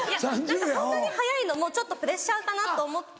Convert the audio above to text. そんなに早いのもちょっとプレッシャーかなと思って。